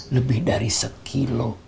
lebih dari sekilo